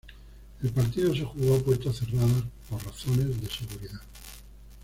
El partido se jugó a puertas cerradas por razones de seguridad.